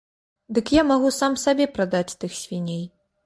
Дык я магу сам сабе прадаць тых свіней.